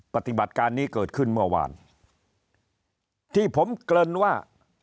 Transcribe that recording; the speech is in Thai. ปฏิบัติการนี้เกิดขึ้นเมื่อวานที่ผมเกริ่นว่า